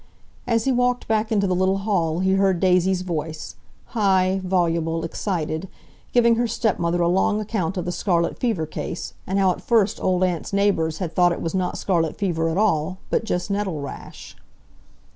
As he walked back into the little hall, he heard Daisy's voice—high, voluble, excited—giving her stepmother a long account of the scarlet fever case, and how at first Old Aunt's neighbours had thought it was not scarlet fever at all, but just nettlerash.